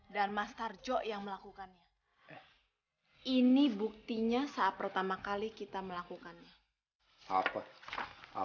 dan mas tarjo yang melakukannya ini buktinya saat pertama kali kita melakukannya apa apa